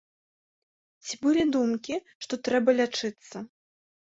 Ці былі думкі, што трэба лячыцца?